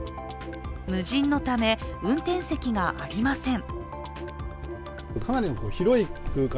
無人のため、運転席がありません。